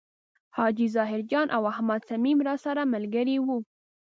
حاجي ظاهر جان او احمد صمیم راسره ملګري و.